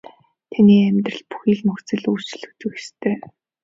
Таны амьдралын бүхий л нөхцөл өөрчлөгдөх л ёстой.